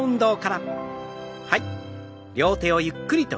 はい。